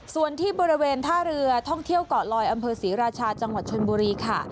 ส่วนที่บริเวณท่าเรือท่องเที่ยวเกาะลอยอำเภอศรีราชาจังหวัดชนบุรีค่ะ